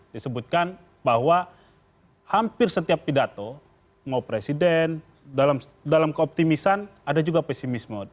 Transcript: disebutkan bahwa hampir setiap pidato mau presiden dalam keoptimisan ada juga pesimisme